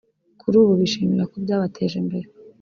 kuri ubu bishimira ko byabateje imbere